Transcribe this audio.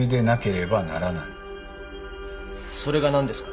それが何ですか？